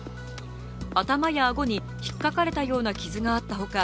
頭やあごに引っかかれたような傷があったほか